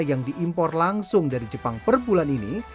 yang diimpor langsung dari jepang per bulan ini